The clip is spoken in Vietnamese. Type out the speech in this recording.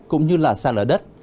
cũng như là sạt ở đất